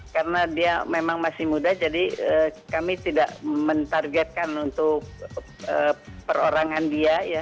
karena dia memang masih muda jadi kami tidak mentargetkan untuk perorangan dia